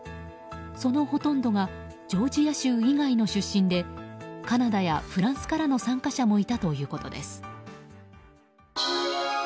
そのほとんどがジョージア州以外の出身でカナダやフランスからの参加者もいたということです。